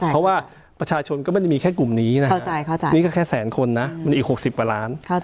เพราะว่าประชาชนก็ไม่ได้มีแค่กลุ่มนี้นะนี่ก็แค่แสนคนนะมันอีก๖๐กว่าล้าน